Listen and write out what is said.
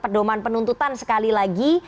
pedoman penuntutan sekali lagi